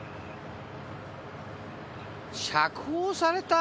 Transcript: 釈放された？